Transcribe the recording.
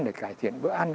để cải thiện bữa ăn